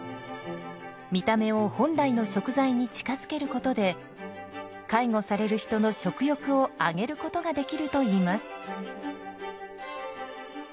見た目を本来の食材に近づけることで介護される人の食欲を上げることができるといいます。